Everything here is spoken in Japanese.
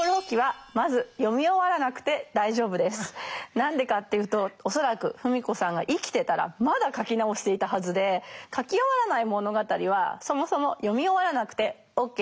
何でかっていうと恐らく芙美子さんが生きてたらまだ書き直していたはずで書き終わらない物語はそもそも読み終わらなくてＯＫです。